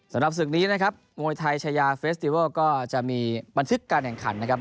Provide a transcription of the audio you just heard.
สำหรับศึกนี้นะครับมวยไทยชายาเฟสติเวิลก็จะมีบันทึกการแข่งขันนะครับ